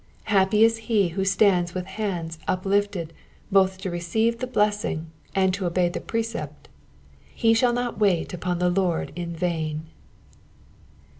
Happy is he who stands with hands uplifted both to receive the blessing and to obey the precept ; he shall not wait upon the Lord in vain.